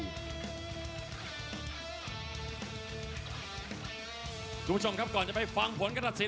คุณผู้ชมครับก่อนจะไปฟังผลการตัดสิน